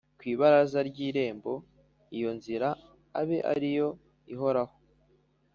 Kw ibaraza ry irembo iyo nzira abe ari yo ihoraho